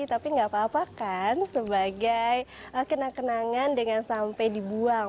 tapi gak apa apa kan sebagai kena kenangan dengan sampai dibuang